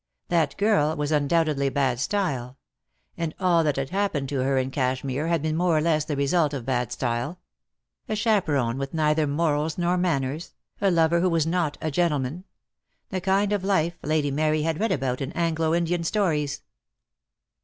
That girl was undoubtedly bad style; and all that had happened to her in Cashmere had been more or less the result of bad style; a chaperon with neither morals nor manners, a lover who was not a gentleman: the kind of life Lady Mary had read about in Anglo Indian stories.